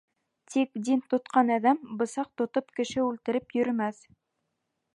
Тик дин тотҡан әҙәм бысаҡ тотоп кеше үлтереп йөрөмәҫ.